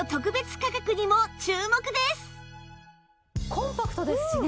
コンパクトですしね。